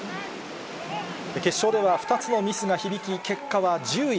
決勝では、２つのミスが響き、結果は１０位。